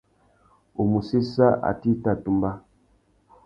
U mù séssa atê i tà tumba.